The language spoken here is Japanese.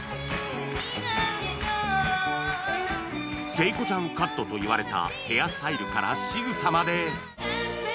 聖子ちゃんカットといわれたヘアスタイルからしぐさまで